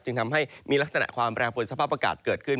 จึงทำให้มีลักษณะความแปรปวนสภาพอากาศเกิดขึ้น